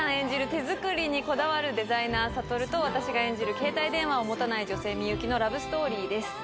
手作りにこだわるデザイナー悟と私が演じる携帯電話を持たない女性みゆきのラブストーリーです。